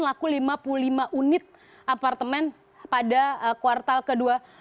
laku lima puluh lima unit apartemen pada kuartal ke dua dua ribu enam belas